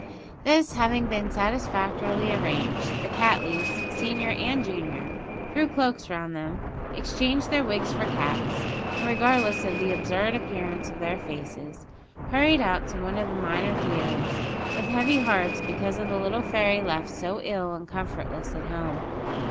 This having been satisfactorily arranged, the Cattleys, senior and junior, threw cloaks round them, exchanged their wigs for caps; and, regardless of the absurd appearance of their faces, hurried out to one of the minor theatres, with heavy hearts because of the little fairy left so ill and comfortless at home.